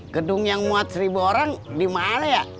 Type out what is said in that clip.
gedung yang muat seribu orang dimana ya